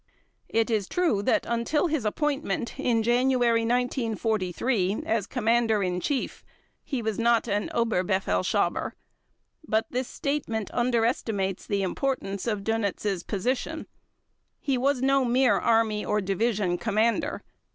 It is true that until his appointment in January 1943 as Commander in Chief he was not an "Oberbefehlshaber". But this statement underestimates the importance of Dönitz' position. He was no mere army or division commander.